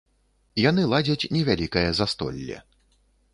Яны ладзяць невялікае застолле.